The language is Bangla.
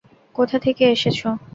কোথা থেকে এসেছ?